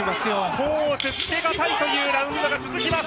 甲乙つけ難いというラウンドが続きます。